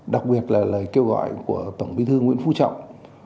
đặc biệt là lời kêu gọi của tổng bí thư nguyễn phú trọng